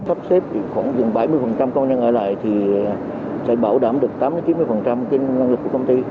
sắp xếp khoảng bảy mươi công nhân ở lại sẽ bảo đảm được tám mươi chín mươi kinh doanh lực của công ty